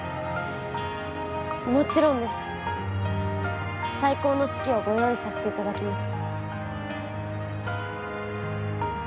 もちろんです最高の式をご用意させていただきます